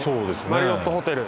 マリオット・ホテル